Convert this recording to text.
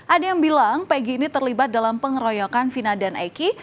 ada yang bilang pg ini terlibat dalam pengeroyokan vina dan eki